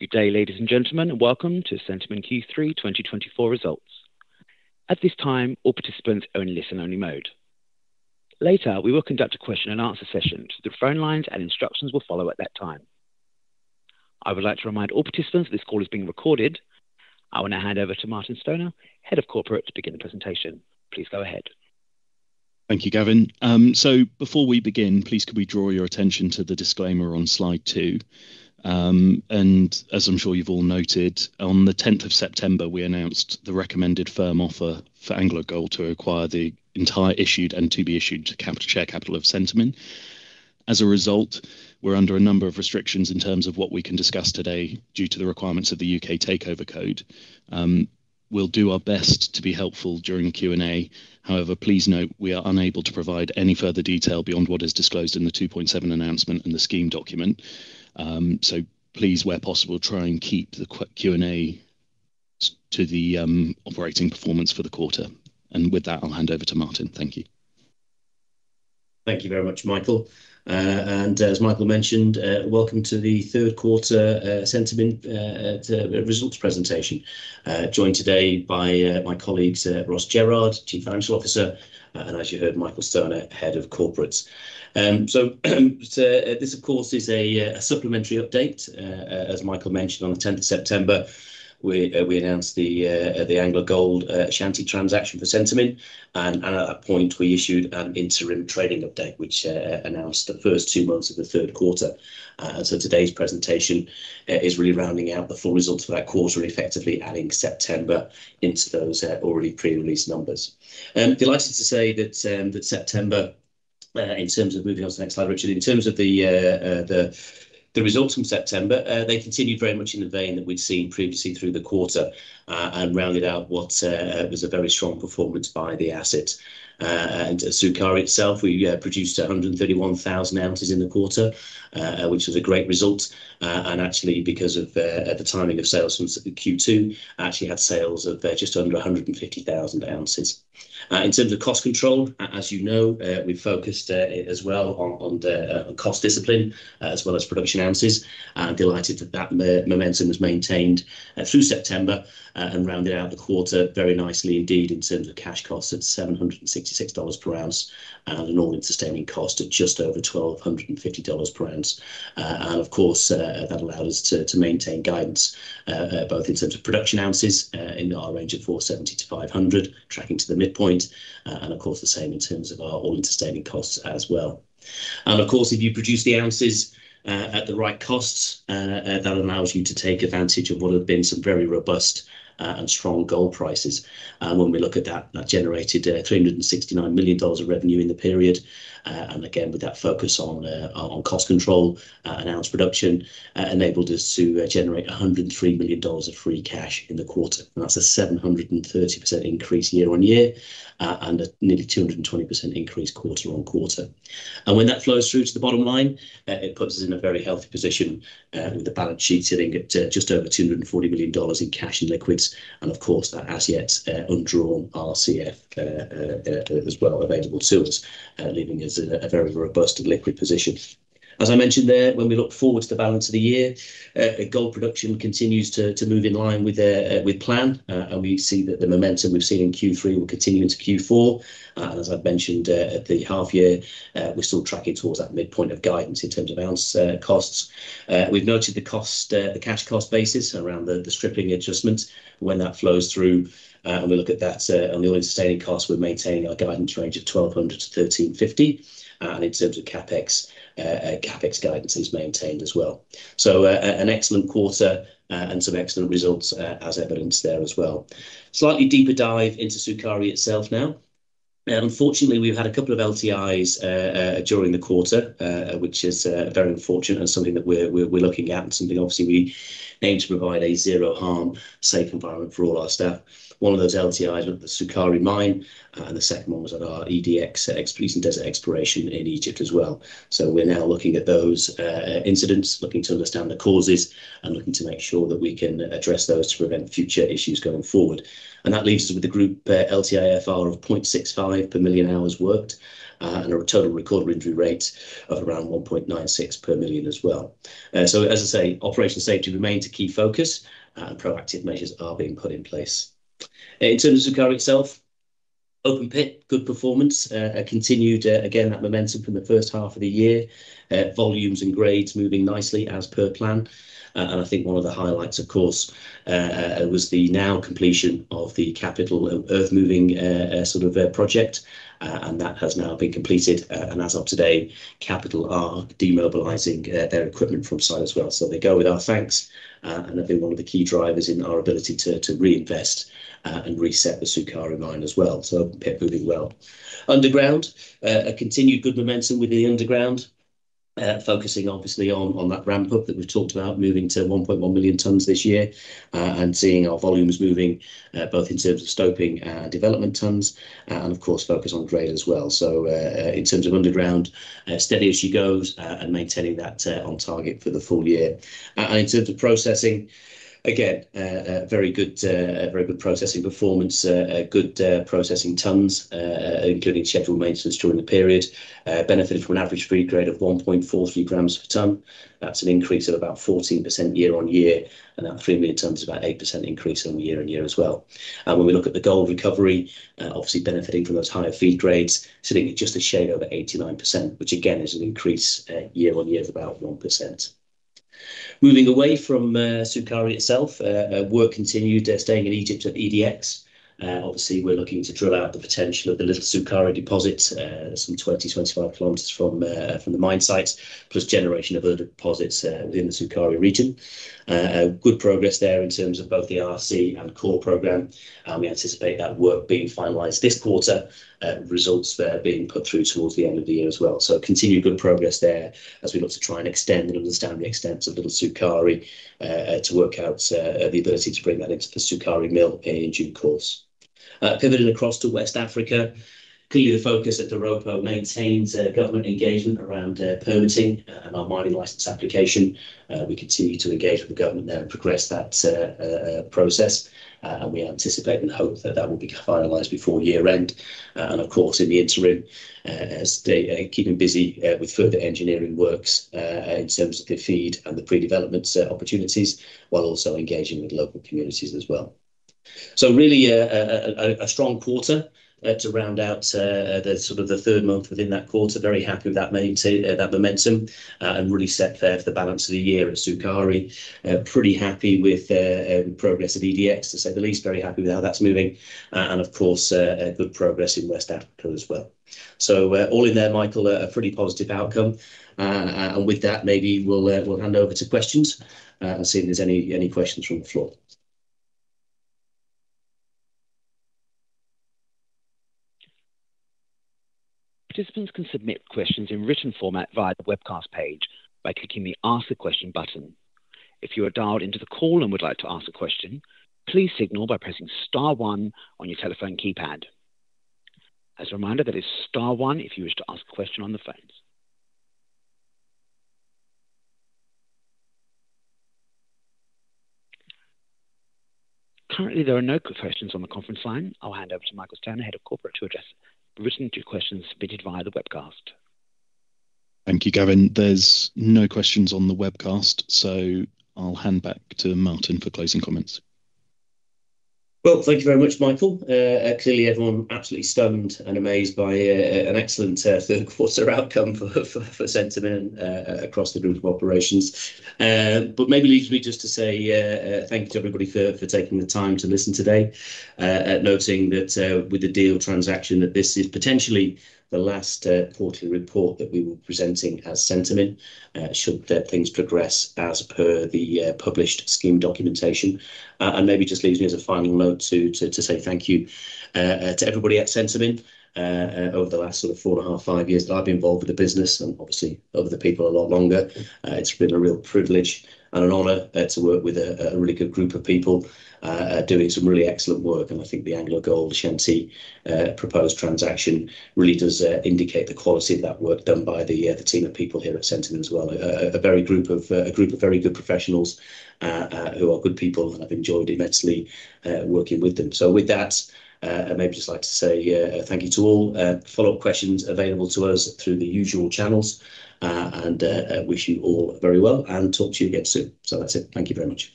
Good day, ladies and gentlemen, and welcome to Centamin Q3 2024 results. At this time, all participants are in listen-only mode. Later, we will conduct a question and answer session. The phone lines and instructions will follow at that time. I would like to remind all participants this call is being recorded. I want to hand over to Michael Stoner, Head of Corporate, to begin the presentation. Please go ahead. Thank you, Gavin. So before we begin, please could we draw your attention to the disclaimer on slide 2. And as I'm sure you've all noted, on the tenth of September, we announced the recommended firm offer for AngloGold to acquire the entire issued and to be issued capital, share capital of Centamin. As a result, we're under a number of restrictions in terms of what we can discuss today, due to the requirements of the UK Takeover Code. We'll do our best to be helpful during the Q&A. However, please note we are unable to provide any further detail beyond what is disclosed in the 2.7 Announcement and the Scheme Document. So please, where possible, try and keep the Q&A to the operating performance for the quarter. And with that, I'll hand over to Martin. Thank you. Thank you very much, Michael, and as Michael mentioned, welcome to the third quarter Centamin results presentation. Joined today by my colleagues, Ross Jerrard, Chief Financial Officer, and as you heard, Michael Stoner, Head of Corporate Development. So, of course, this is a supplementary update. As Michael mentioned, on the tenth of September, we announced the AngloGold Ashanti transaction for Centamin. And at that point, we issued an interim trading update, which announced the first two months of the third quarter. So today's presentation is really rounding out the full results for that quarter, effectively adding September into those already pre-released numbers. Delighted to say that September in terms of... Moving on to the next slide, Richard. In terms of the results from September, they continued very much in the vein that we'd seen previously through the quarter, and rounded out what was a very strong performance by the asset, and Sukari itself, we produced a hundred and thirty-one thousand ounces in the quarter, which was a great result, and actually, because of the timing of sales from Q2, actually had sales of just under a hundred and fifty thousand ounces. In terms of cost control, as you know, we focused as well on the cost discipline, as well as production ounces. And delighted that that momentum was maintained through September and rounded out the quarter very nicely indeed in terms of cash costs at $766 per ounce, and an all-in sustaining cost of just over $1,250 per ounce. And of course, that allowed us to maintain guidance both in terms of production ounces in our range of 470-500, tracking to the midpoint, and of course, the same in terms of our all-in sustaining costs as well. And of course, if you produce the ounces at the right costs, that allows you to take advantage of what have been some very robust and strong gold prices. And when we look at that, that generated $369 million of revenue in the period. And again, with that focus on cost control and ounce production enabled us to generate $103 million of free cash in the quarter. That's a 730% increase year on year, and a nearly 220% increase quarter on quarter. And when that flows through to the bottom line, it puts us in a very healthy position with the balance sheet sitting at just over $240 million in cash and liquids, and of course, that as yet undrawn RCF as well, available to us, leaving us in a very robust and liquid position. As I mentioned there, when we look forward to the balance of the year, gold production continues to move in line with plan. And we see that the momentum we've seen in Q3 will continue into Q4. As I've mentioned, at the half year, we're still tracking towards that midpoint of guidance in terms of ounce, costs. We've noted the cost, the cash cost basis around the stripping adjustments when that flows through. And we look at that, on the all-in sustaining cost, we're maintaining our guidance range of $1,200-$1,350. And in terms of CapEx, CapEx guidance is maintained as well. So an excellent quarter, and some excellent results, as evidenced there as well. Slightly deeper dive into Sukari itself now. Unfortunately, we've had a couple of LTIs during the quarter, which is very unfortunate and something that we're looking at and something obviously, we aim to provide a zero harm, safe environment for all our staff. One of those LTIs was at the Sukari mine, and the second one was at our EDX, Eastern Desert Exploration in Egypt as well, so we're now looking at those incidents, looking to understand the causes, and looking to make sure that we can address those to prevent future issues going forward, and that leaves us with the group LTIFR of 0.65 per million hours worked, and a total recordable injury rate of around 1.96 per million as well, so as I say, operational safety remains a key focus, and proactive measures are being put in place. In terms of Sukari itself, open pit, good performance. A continued, again, that momentum from the first half of the year. Volumes and grades moving nicely as per plan. And I think one of the highlights, of course, was the now completion of the Capital earthmoving, sort of, project, and that has now been completed. And as of today, Capital are demobilizing, their equipment from site as well. So they go with our thanks, and have been one of the key drivers in our ability to reinvest, and reset the Sukari mine as well. So pit moving well. Underground, a continued good momentum with the underground, focusing obviously on that ramp up that we've talked about, moving to 1.1 million tons this year, and seeing our volumes moving, both in terms of stoping, development tons, and of course, focus on grade as well. So, in terms of underground, steady as she goes, and maintaining that, on target for the full year. And in terms of processing. Again, a very good processing performance, a good processing tons, including scheduled maintenance during the period. Benefited from an average feed grade of 1.43 grams per ton. That's an increase of about 14% year on year, and that 3 million tons is about 8% increase on year on year as well. And when we look at the gold recovery, obviously benefiting from those higher feed grades, sitting at just a shade over 89%, which again, is an increase, year on year of about 1%. Moving away from Sukari itself, work continued staying in Egypt at EDX. Obviously, we're looking to drill out the potential of the Little Sukari deposit, some 20-25 kilometers from the mine site, plus generation of other deposits within the Sukari region. Good progress there in terms of both the RC and core program, and we anticipate that work being finalized this quarter, results there being put through towards the end of the year as well. Continued good progress there as we look to try and extend and understand the extents of Little Sukari to work out the ability to bring that into the Sukari mill in due course. Pivoting across to West Africa, clearly, the focus at Doropo remains government engagement around permitting and our mining license application. We continue to engage with the government there and progress that process, and we anticipate and hope that that will be finalized before year-end. And of course, in the interim, as they keeping busy with further engineering works in terms of the FEED and the predevelopment opportunities, while also engaging with local communities as well. Really, a strong quarter to round out the sort of third month within that quarter. Very happy with that momentum, and really set there for the balance of the year at Sukari. Pretty happy with progress of EDX, to say the least, very happy with how that's moving, and of course, a good progress in West Africa as well. So, all in there, Michael, a pretty positive outcome. And with that, maybe we'll hand over to questions, and see if there's any questions from the floor. Participants can submit questions in written format via the webcast page by clicking the Ask a Question button. If you are dialed into the call and would like to ask a question, please signal by pressing star one on your telephone keypad. As a reminder, that is star one if you wish to ask a question on the phone. Currently, there are no questions on the conference line. I'll hand over to Michael Stoner, Head of Corporate, to address written two questions submitted via the webcast. Thank you, Gavin. There's no questions on the webcast, so I'll hand back to Martin for closing comments. Thank you very much, Michael. Clearly everyone absolutely stunned and amazed by an excellent third quarter outcome for Centamin across the group of operations, but maybe leads me just to say thank you to everybody for taking the time to listen today, noting that with the deal transaction, that this is potentially the last quarterly report that we will be presenting as Centamin should things progress as per the published Scheme Documentation, and maybe just leaves me as a final note to say thank you to everybody at Centamin over the last sort of four and a half, five years that I've been involved with the business and obviously others, the people a lot longer. It's been a real privilege and an honor to work with a really good group of people doing some really excellent work, and I think the AngloGold Ashanti proposed transaction really does indicate the quality of that work done by the team of people here at Centamin as well. A group of very good professionals who are good people, and I've enjoyed immensely working with them. So with that, I'd maybe just like to say thank you to all. Follow-up questions available to us through the usual channels, and I wish you all very well, and talk to you again soon. So that's it. Thank you very much.